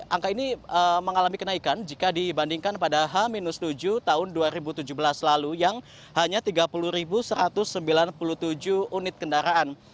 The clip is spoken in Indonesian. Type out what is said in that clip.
angka ini mengalami kenaikan jika dibandingkan pada h tujuh tahun dua ribu tujuh belas lalu yang hanya tiga puluh satu ratus sembilan puluh tujuh unit kendaraan